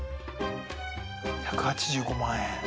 １８５万円。